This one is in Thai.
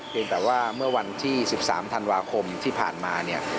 เป็นแต่ว่าเมื่อวันที่๑๓ธันวาคมที่ผ่านมาเนี่ย